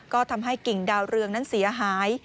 ก็ทำให้กิ่งดาวเรืองนั้นเสียหาย